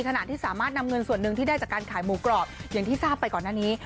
ขณะที่สามารถนำเงินส่วนหนึ่งที่ได้จากการขายหมูกรอบอย่างที่ทราบไปก่อนหน้านี้